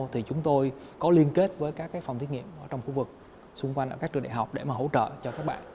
thì chúng tôi có liên kết với các phòng thiết nghiệm trong khu vực xung quanh ở các trường đại học để mà hỗ trợ cho các bạn